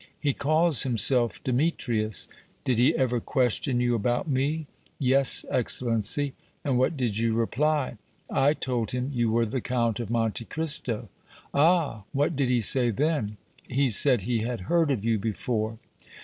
"He calls himself Demetrius." "Did he ever question you about me?" "Yes, Excellency." "And what did you reply?" "I told him you were the Count of Monte Cristo." "Ah! What did he say then?" "He said he had heard of you before."